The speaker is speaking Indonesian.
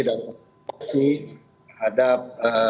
dan proteksi terhadap